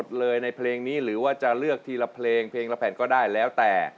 เลยในเพลงนี้หรือว่าจะเลือกทีละเพลงเพลงละแผ่นก็ได้แล้วแต่